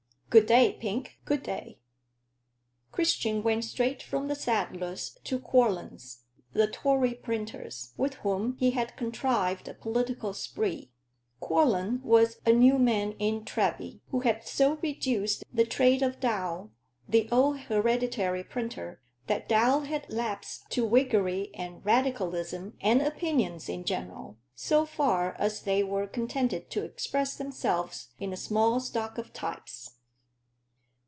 "Good day, Pink good day." Christian went straight from the saddler's to Quorlen's, the Tory printer's, with whom he had contrived a political spree. Quorlen was a new man in Treby, who had so reduced the trade of Dow, the old hereditary printer, that Dow had lapsed to Whiggery and Radicalism and opinions in general, so far as they were contented to express themselves in a small stock of types.